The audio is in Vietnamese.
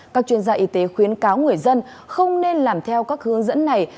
các chuyên gia y tế khuyến cáo người dân không nên làm theo các hướng dẫn này